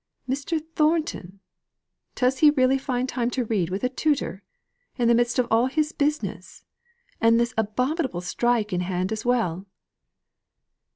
"Mr. Thornton! Does he really find time to read with a tutor, in the midst of all his business, and this abominable strike in hand as well?"